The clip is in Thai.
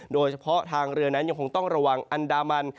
โดยเฉพาะทางเรือนั้นยังคงต้องระวังอันดามัน